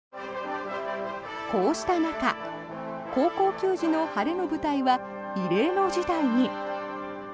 こうした中高校球児の晴れの舞台は異例の事態に。